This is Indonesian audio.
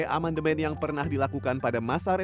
aman demand yang pernah dilakukan pada masa referensi